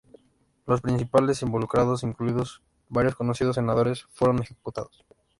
Los principales involucrados, incluidos varios conocidos senadores, fueron ejecutados.